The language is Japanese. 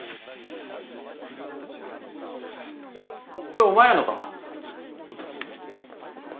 これお前らのか？